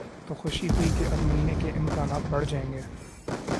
تو خوشی ہوئی کہ اب ملنے کے امکانات بڑھ جائیں گے۔